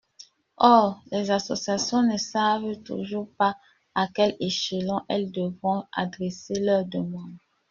Or les associations ne savent toujours pas à quel échelon elles devront adresser leurs demandes.